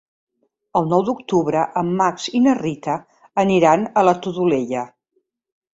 El nou d'octubre en Max i na Rita aniran a la Todolella.